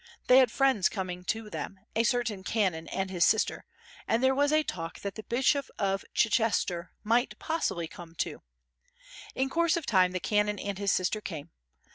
They had friends coming to them, a certain canon and his sister, and there was a talk that the Bishop of Chichester might possibly come too. In course of time the canon and his sister came.